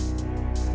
masuk sekarang dewa